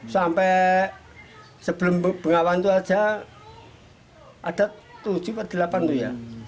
sampai sebelum bengawan itu saja ada tujuh per delapan tuh ya